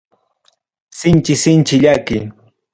Sinchi sinchi llaki.